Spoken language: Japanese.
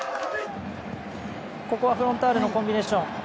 ここはフロンターレのコンビネーション。